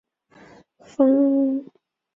丰坦盖兰。